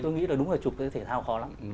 tôi nghĩ là đúng là chụp cái thể thao khó lắm